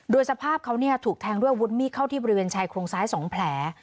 โดยสภาพเขาถูกแทงด้วยวุฒิมีดเข้าที่บริเวณชายโครงซ้าย๒แผล